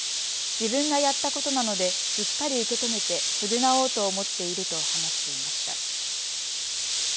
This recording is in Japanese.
自分がやったことなのでしっかり受け止めて償おうと思っていると話していました。